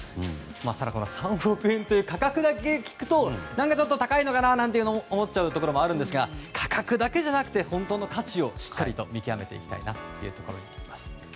ただ、３億円という価格だけを聞くと高いのかなと思っちゃうところもあるんですが価格だけじゃなくて本当の価値をしっかりと見極めていきたいというところだと思います。